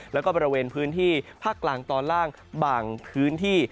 แล้วก็บริเวณพื้นที่ภาคกลางตอนล่างบางพื้นที่